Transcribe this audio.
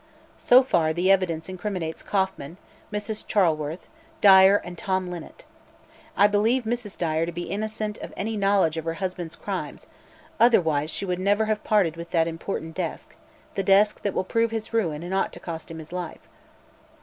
So far, the evidence incriminates Kauffman, Mrs. Charleworth, Dyer and Tom Linnet. I believe Mrs. Dyer to be innocent of any knowledge of her husband's crimes; otherwise, she would never have parted with that important desk the desk that will prove his ruin and ought to cost him his life.